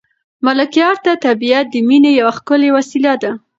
ملکیار ته طبیعت د مینې یوه ښکلې وسیله ده.